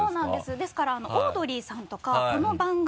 ですからオードリーさんとかこの番組。